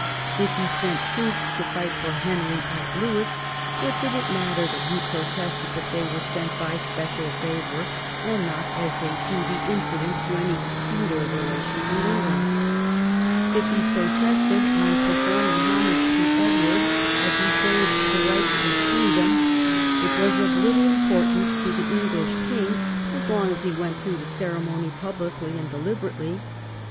If lie sent troops to fight for Henry at Lewes, what did it matter that he protested that they were sent by special favour and not as a duty incident to any feudal relations with England 1 If he protested, on performing homage to Edward, that he saved the rights of his kingdom, it was of little importance to the English king as long as he went through the ceremony publicly and deliberately.